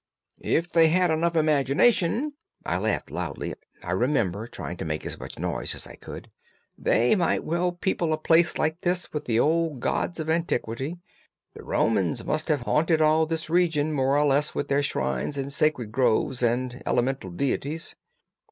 "If they had enough imagination," I laughed loudly—I remember trying to make as much noise as I could—"they might well people a place like this with the old gods of antiquity. The Romans must have haunted all this region more or less with their shrines and sacred groves and elemental deities."